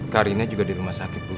karinnya juga di rumah sakit bu